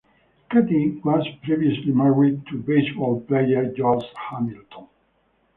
Katie was previously married to baseball player Josh Hamilton.